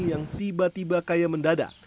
yang tiba tiba kaya mendadak